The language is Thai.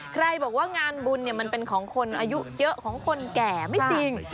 ใครบอกว่างานบุญมันเป็นของคนอายุเยอะของคนแก่ไม่จริง